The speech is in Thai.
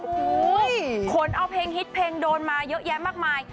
โอ้โหขนเอาเพลงฮิตเพลงโดนมาเยอะแยะมากมาย